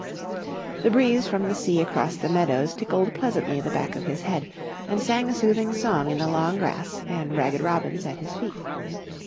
The breeze from the sea across the meadows tickled pleasantly the back of his head, and sang a soothing song in the long grass and ragged robins at his feet.